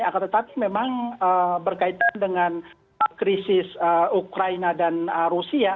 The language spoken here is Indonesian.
akhirnya tapi memang berkaitan dengan krisis ukraina dan rusia